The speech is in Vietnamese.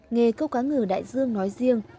nghề cơ cá ngừ đại dương nói riêng